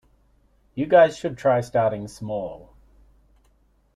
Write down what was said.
You guys should try starting small.